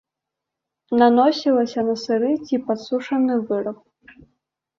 Наносілася на сыры ці падсушаны выраб.